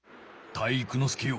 体育ノ介よ。